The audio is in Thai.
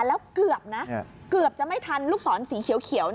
แล้วเกือบจะไม่ทันลูกศรสีเขียว